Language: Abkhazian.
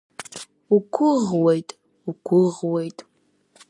Угәыӷуеит, угәыӷуеит…